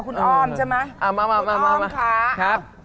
คุณอ้อมใช่มั้ย